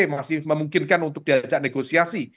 masih memungkinkan untuk diajak negosiasi